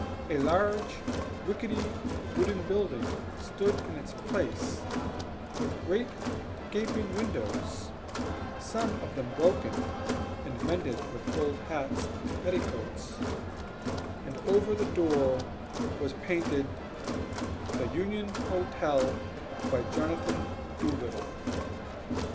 A large, rickety wooden building stood in its place, with great gaping windows, some of them broken and mended with old hats and petticoats, and over the door was painted, "The Union Hotel, by Jonathan Doolittle."